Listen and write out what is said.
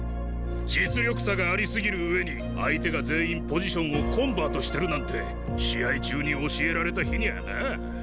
実力差がありすぎる上に相手が全員ポジションをコンバートしてるなんて試合中に教えられた日にゃあな。